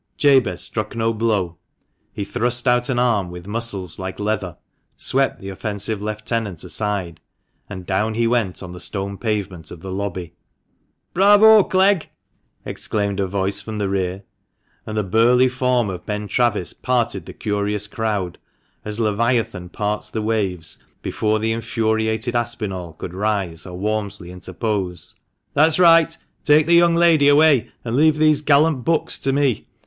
Jabez struck no blow ; he thrust out an arm with muscles like leather, swept the offensive lieutenant aside, and down he went on the stone pavement of the lobby. "Bravo, Clegg!" exclaimed a voice from the rear, and the burly form of Ben Travis parted the curious crowd, as leviathan parts the waves, before the infuriated Aspinall could rise or Walmsley interpose. " That's right ; take the young lady away, and leave these gallant bucks to me.